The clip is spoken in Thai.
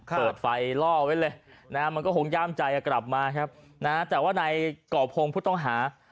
เปิดไฟล่อไว้เลยนะมันก็คงย่ามใจกลับมาครับนะแต่ว่าในก่อพงศ์ผู้ต้องหา